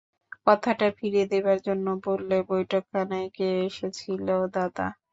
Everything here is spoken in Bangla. কথাটা ফিরিয়ে দেবার জন্যে বললে, বৈঠকখানায় কে এসেছিল, দাদা?